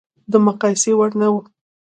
د مقایسې وړ نه و.